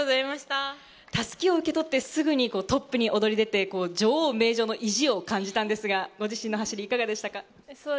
襷を受け取ったすぐ、トップに躍り出て、女王・名城の意地を感じたんですが、いかがでしたか？